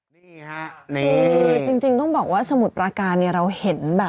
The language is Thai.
คือจริงต้องบอกว่าสมุดประการนี่เราเห็นแบบ